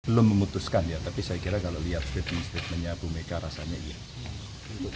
belum memutuskan ya tapi saya kira kalau lihat statement statementnya bu mega rasanya iya